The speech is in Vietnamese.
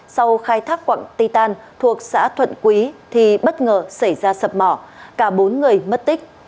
sau khai thác quảng ti tàn thuộc xã thuận quý thì bất ngờ xảy ra sập mỏ cả bốn người mất tích